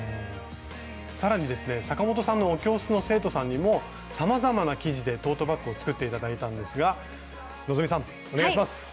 更にですね阪本さんのお教室の生徒さんにもさまざまな生地でトートバッグを作っていただいたんですが希さんお願いします！